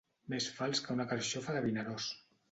Més fals que una carxofa de Vinaròs.